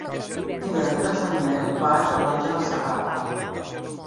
Divendres en Nel va a Calonge de Segarra.